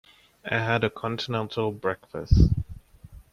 I had a continental breakfast.